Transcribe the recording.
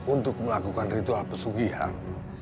untuk melakukan ritual pesugihan